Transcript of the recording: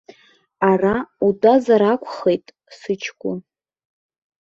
Ара утәазар акәхеит, сыҷкәын!